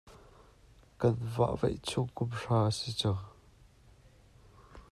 Kan vahvaih chung kum hra a si cang.